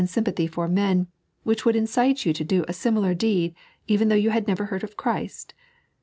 151 sympath; for men, wbich would incite you to do a eimilkr deed even though you had never heard of Chriflt